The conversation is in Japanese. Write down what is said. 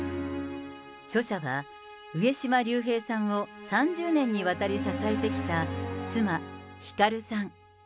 著者は、上島竜兵さんを３０年にわたり支えてきた妻、ひかるさん。